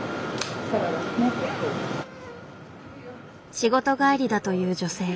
仕事帰りだという女性。